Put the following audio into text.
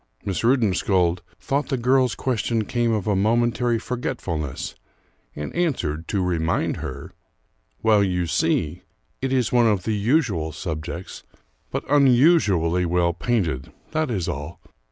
Miss Rudensköld thought the girl's question came of a momentary forgetfulness, and answered, to remind her: "Well, you see, it is one of the usual subjects, but unusually well painted, that is all.